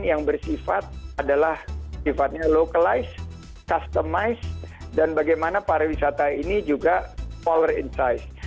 yang bersifat adalah sifatnya localized customized dan bagaimana para wisata ini juga power inside